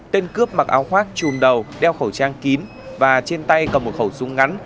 tên cướp mặc áo khoác trùm đầu đeo khẩu trang kín và trên tay cầm một khẩu súng ngắn